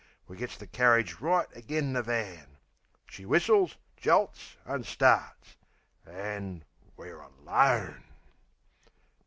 We gets the carridge right agen the van. She whistles, jolts, an' starts...An' we're alone!